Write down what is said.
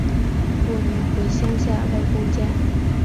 过年回乡下外公家